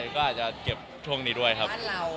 ก็อาจจะเก็บช่วงนี้ด้วยครับ